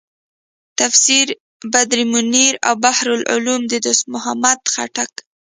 تفسیر بدرمنیر او بحر العلوم د دوست محمد خټک.